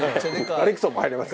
ガリクソンも入れます。